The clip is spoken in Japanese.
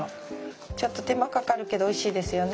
ちょっと手間かかるけどおいしいですよね。